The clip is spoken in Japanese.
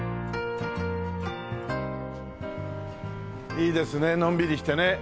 いいですねのんびりしてね。